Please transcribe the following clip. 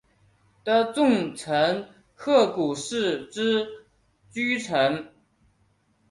的重臣鹤谷氏之居城。